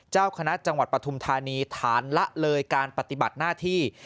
เจ้าคณะจังหวัดปฐุมธานีฐานละเลยการปฏิบัติหน้าที่